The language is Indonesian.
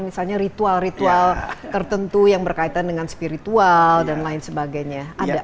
misalnya ritual ritual tertentu yang berkaitan dengan spiritual dan lain sebagainya